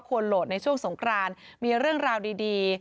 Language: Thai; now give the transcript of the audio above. โหลดในช่วงสงครานมีเรื่องราวดี